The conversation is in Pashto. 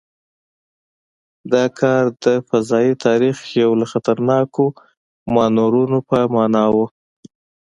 دا کار د فضايي تاریخ یو له خطرناکو مانورونو په معنا و.